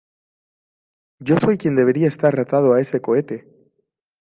Yo soy quien debería estar atado a ese cohete.